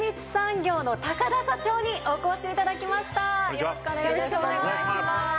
よろしくお願いします。